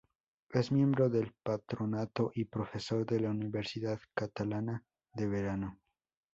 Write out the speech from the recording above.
Es miembro del patronato y profesor de la Universidad Catalana de Verano.